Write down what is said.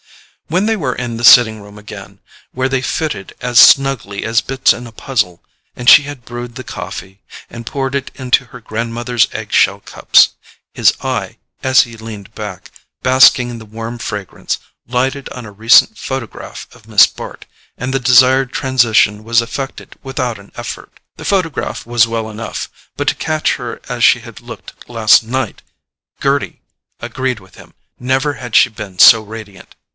When they were in the sitting room again, where they fitted as snugly as bits in a puzzle, and she had brewed the coffee, and poured it into her grandmother's egg shell cups, his eye, as he leaned back, basking in the warm fragrance, lighted on a recent photograph of Miss Bart, and the desired transition was effected without an effort. The photograph was well enough—but to catch her as she had looked last night! Gerty agreed with him—never had she been so radiant.